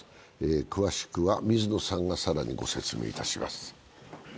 詳しくは水野さんが更にご説明いたします。